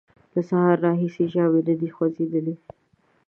له سهاره راهیسې یې ژامې نه دې خوځېدلې!